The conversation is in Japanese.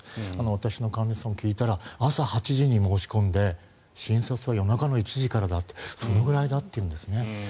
私の患者さんも聞いたら朝８時に申し込んで診察は夜中の１時からだとそのくらいだというんですね。